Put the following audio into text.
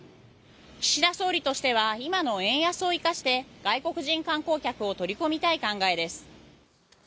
岸田総理としては今の円安を生かして外国人観光客を取り込みたい考えです。